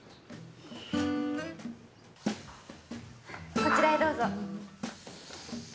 こちらへどうぞ。